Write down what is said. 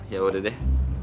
ya udah deh